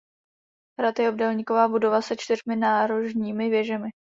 Hrad je obdélníková budova se čtyřmi nárožními věžemi.